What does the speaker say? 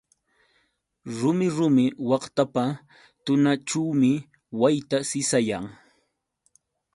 Rumi rumi waqtapa tunaćhuumi wayta sisayan.